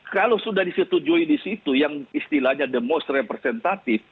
kalau sudah disetujui di situ yang istilahnya the most representatif